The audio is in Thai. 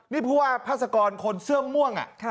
นี่เพราะว่าพระศกรคนเสื้อมม่วง